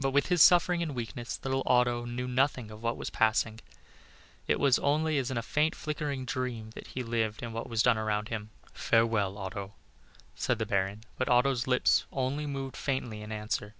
But with his suffering and weakness, little Otto knew nothing of what was passing; it was only as in a faint flickering dream that he lived in what was done around him. "Farewell, Otto," said the Baron, but Otto's lips only moved faintly in answer.